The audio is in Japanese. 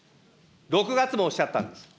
６月もおっしゃったんです。